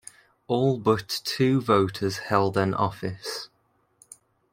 All but two voters held an office.